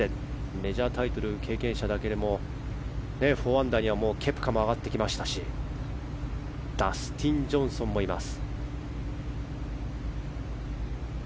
メジャータイトル経験者だけでも４アンダーにはケプカも上がってきましたしダスティン・ジョンソンもいます。